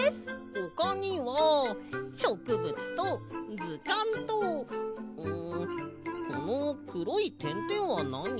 ほかにはしょくぶつとずかんとうんこのくろいてんてんはなに？